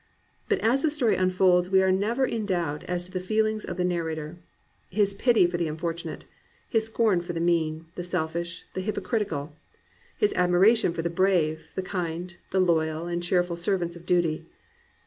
But as the story unfolds we are never in doubt as to the feelings of the narrator, — his pity for the unfortunate; his scorn for the mean, the selfish, the hypocritical; his admiration for the brave, the kind, the loyal and cheerful servants of duty.